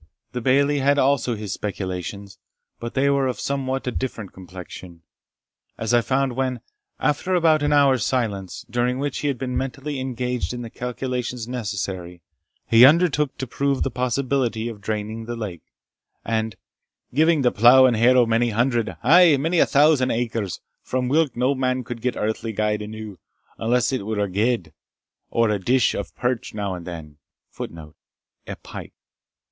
The Bailie had also his speculations, but they were of somewhat a different complexion; as I found when, after about an hour's silence, during which he had been mentally engaged in the calculations necessary, he undertook to prove the possibility of draining the lake, and "giving to plough and harrow many hundred, ay, many a thousand acres, from whilk no man could get earthly gude e'enow, unless it were a gedd,* or a dish of perch now and then." * A pike.